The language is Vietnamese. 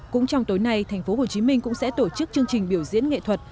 cũng trong tối nay thành phố hồ chí minh cũng sẽ tổ chức chương trình biểu diễn nghệ thuật